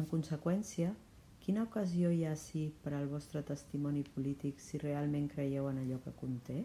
En conseqüència, ¿quina ocasió hi ha ací per al vostre testimoni polític si realment creieu en allò que conté?